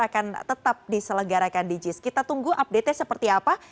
akan tetap diselenggarakan di jis kita tunggu update nya seperti apa